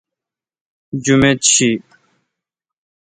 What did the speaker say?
جمیت شی۔